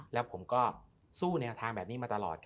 แล้วผมก็สู้แนวทางแบบนี้มาตลอด